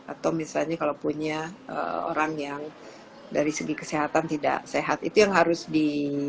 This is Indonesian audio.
atau misalnya kalau punya orang yang dari segi kesehatan tidak sehat itu yang harus di